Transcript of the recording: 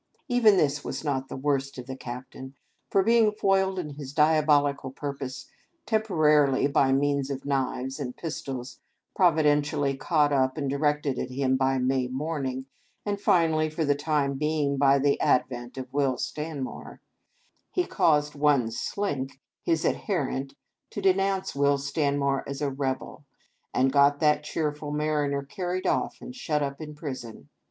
Even this was not the worst of the Captain; for, being foiled in his diabolical purpose — temporarily by means of knives and pistols, providentially caught up and directed at him by May Morning, and finally, for the time being, by the ad vent of Will Stanmore — he caused one Slink, his adherent, to denounce Will Stanmore as a rebel, and got that cheerful mariner carried off and shut up in prison.